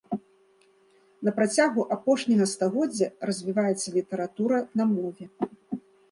На працягу апошняга стагоддзя развіваецца літаратура на мове.